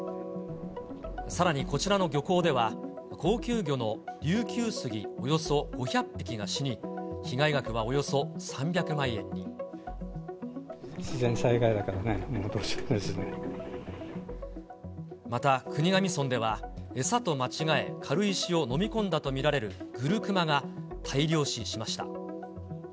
さらにこちらの漁港では、高級魚の琉球スギおよそ５００匹が死に、被害額はおよそ３００万自然災害だからね、もうどうまた、国頭村では餌と間違え、軽石を飲み込んだと見られるグルクマが大量死しました。